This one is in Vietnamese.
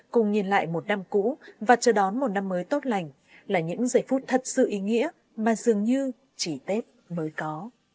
cùng nhìn lại một năm cũ và chờ đón một năm mới tốt lành là những giây phút thật sự ý nghĩa mà dường như chỉ tết mới có